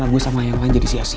gue sama yang lain